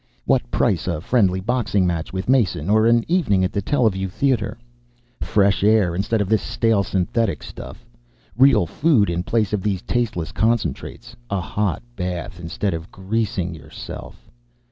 What price a friendly boxing match with Mason, or an evening at the teleview theater? "Fresh air instead of this stale synthetic stuff! Real food, in place of these tasteless concentrates! A hot bath, instead of greasing yourself!